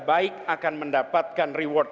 baik akan mendapatkan reward